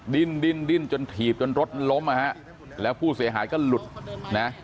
ดิ้นดิ้นดิ้นจนถีบจนรถล้มอ่ะฮะแล้วผู้เสียหายก็หลุดนะ